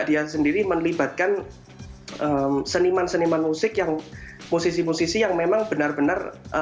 dia sendiri melibatkan seniman seniman musik yang musisi musisi yang memang benar benar